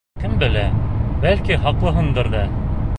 Кем белә, бәлки, хаҡлыһыңдыр ҙа.